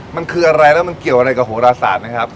มันคืออะไรแล้วมันเกี่ยวอะไรกับโหรศาสตร์นะครับ